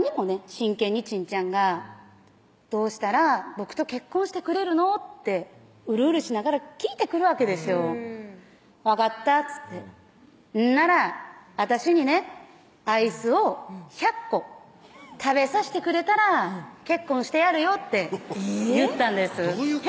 真剣にちんちゃんが「どうしたら僕と結婚してくれるの？」ってうるうるしながら聞いてくるわけですよ「分かった」っつって「ほんなら私にねアイスを１００個食べさしてくれたら結婚してやるよ」って言ったんですどういうこと？